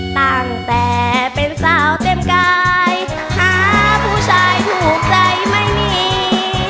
ตั้งแต่เป็นสาวเต็มกายหาผู้ชายถูกใจไม่มี